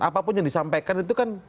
apapun yang disampaikan itu kan